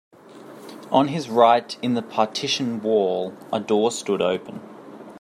On his right in the partition wall a door stood open.